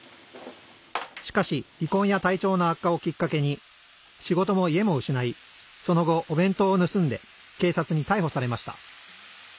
しかしりこんや体調の悪化をきっかけに仕事も家も失いその後お弁当を盗んでけいさつにたいほされました。